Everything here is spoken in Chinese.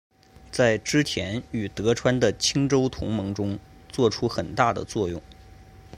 在织田与德川的清洲同盟中作出很大的作用。